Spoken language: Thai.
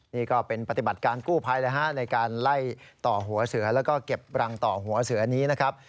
นี่ก็เป็นปฏิบัติการกู้ภัยนะฮะในการไล่ต่อหัวเสือแล้วก็เก็บรังต่อหัวเสือนี้นะครับ